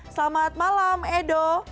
selamat malam edo